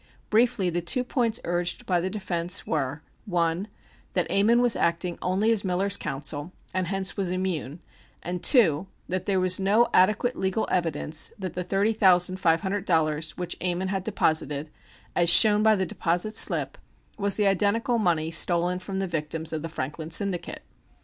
Briefly, the two points urged by the defence were: (1) That Ammon was acting only as Miller's counsel, and hence was immune, and, (2) That there was no adequate legal evidence that the thirty thousand five hundred dollars which Ammon had deposited, as shown by the deposit slip, was the identical money stolen from the victims of the Franklin syndicate.